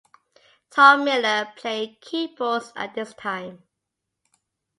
Tom Miller played keyboards at this time.